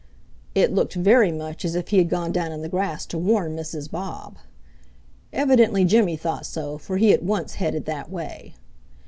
It looked very much as if he had gone down in the grass to warn Mrs. Bob. Evidently Jimmy thought so, for he at once headed that way.